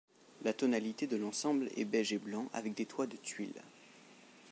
La tonalité de l'ensemble est beige et blanc avec des toits de tuiles.